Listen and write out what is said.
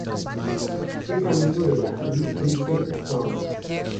Es amigo de la actriz Kirsten Storms.